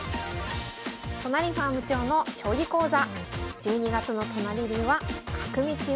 都成ファーム長の将棋講座。